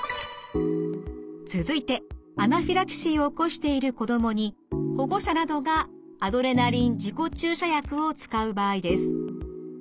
続いてアナフィラキシーを起こしている子どもに保護者などがアドレナリン自己注射薬を使う場合です。